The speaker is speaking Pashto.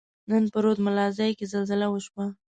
نن په رود ملازۍ کښي زلزله وشوه.